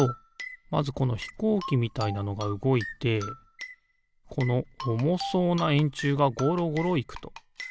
まずこのひこうきみたいなのがうごいてこのおもそうなえんちゅうがゴロゴロいくと。